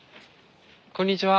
こんにちは。